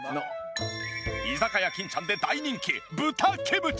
居酒屋金ちゃんで大人気豚キムチ。